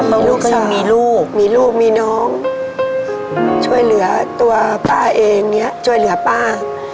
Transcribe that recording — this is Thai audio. ลูกก็ยังมีลูกมีลูกมีน้องช่วยเหลือตัวป้าเองเนี่ยช่วยเหลือป้า